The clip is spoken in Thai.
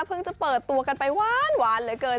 จะเปิดตัวกันไปหวานเหลือเกิน